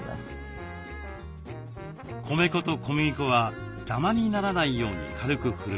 米粉と小麦粉はダマにならないように軽くふるいます。